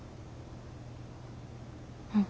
うん。